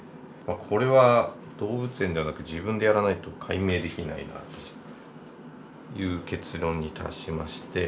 これは動物園ではなく自分でやらないと解明できないなという結論に達しまして。